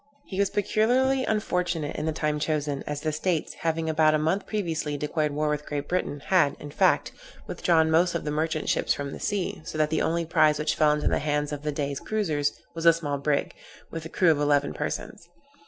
He was peculiarly unfortunate in the time chosen, as the States, having about a month previously declared war with Great Britain, had, in fact, withdrawn most of the merchant ships from the sea, so that the only prize which fell into the hands of the Dey's cruizers was a small brig, with a crew of eleven persons.